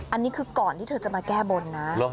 อันนี้คือก่อนที่เธอจะมาแก้บนนะ